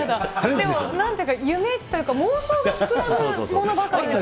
でもなんだか夢っていうか、妄想が膨らむものばかりですよね。